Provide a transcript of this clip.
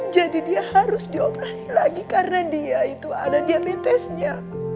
jadi dia harus dioperasi lagi karena dia itu ada diabetesnya